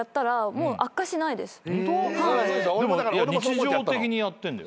日常的にやってんだよ。